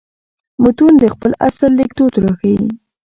متون د خپل عصر لیکدود راښيي.